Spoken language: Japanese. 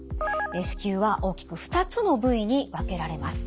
子宮は大きく２つの部位に分けられます。